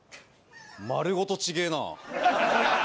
丸ごと違えな。